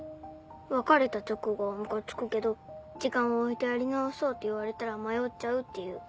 別れた直後はムカつくけど時間を置いてやり直そうって言われたら迷っちゃうっていう。